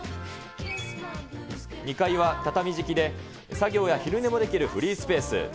２階は畳敷きで、作業や昼寝もできるフリースペース。